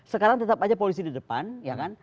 sekarang tetap aja polisi di depan ya kan